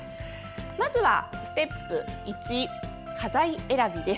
まずはステップ１、花材選びです。